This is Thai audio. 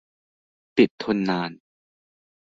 ติดทนนาน